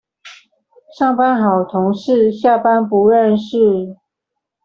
上班好同事，下班不認識